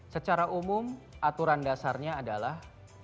secara umum aturan dasarnya adalah